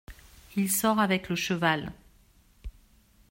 Il sort avec le cheval.